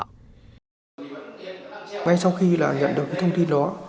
ngay sau khi nhận được thông tin đó